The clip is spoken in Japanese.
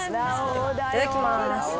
いただきます。